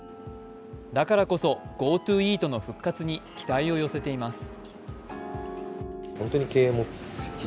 だからこそＧｏＴｏイートの復活に期待を寄せています。